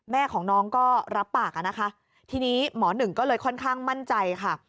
แม่ของน้องก็รับปากอะนะคะทีนี้หมอหนึ่งก็เลยค่อนข้างมั่นใจค่ะ